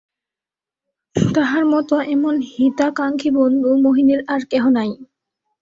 তাহার মতো এমন হিতাকাঙ্ক্ষী বন্ধু মহিনের আর কেহ নাই।